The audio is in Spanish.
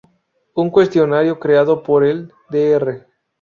Un cuestionario creado por el Dr.